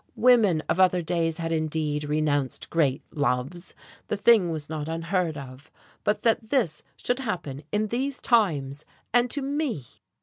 Women of other days had indeed renounced great loves: the thing was not unheard of. But that this should happen in these times and to me!